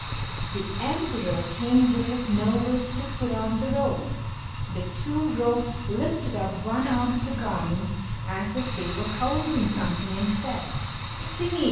The emperor came with his nobles to put on the robe. The two rogues lifted up one arm of the garment, as if they were holding something, and said, "See!